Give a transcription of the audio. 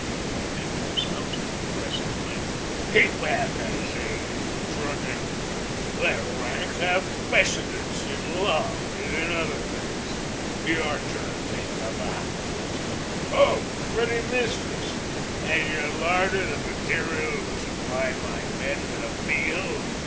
(for the men had dismounted and were pressing behind him) "keep back, I say, you drunken ! Let rank have precedence in love as in other things! Your turn may come afterward! Ho! pretty mistress, has your larder the material to supply my men with a meal?"